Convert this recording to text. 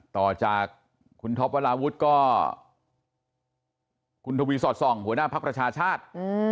ต่อจากคุณท็อปวราวุฒิก็คุณทวีสอดส่องหัวหน้าภักดิ์ประชาชาติ